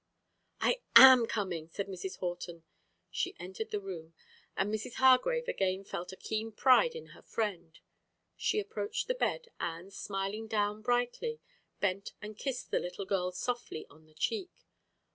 "I am coming!" said Mrs. Horton. She entered the room, and Mrs. Hargrave again felt a keen pride in her friend. She approached the bed and, smiling down brightly, bent and kissed the little girl softly on the cheek.